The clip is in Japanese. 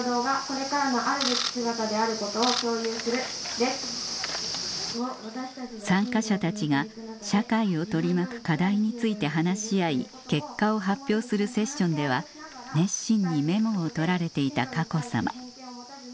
・１つ目は・参加者たちが社会を取り巻く課題について話し合い結果を発表するセッションでは熱心にメモを取られていた佳子さま